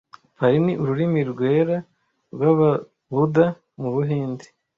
Pali ni ururimi rwera rw’ababuda mu Buhinde